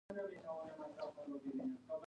آیا د ایران علم پرمختللی نه دی؟